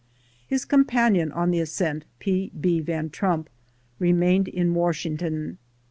His companion on the ascent, P. B. Van Trump, remained in Washington.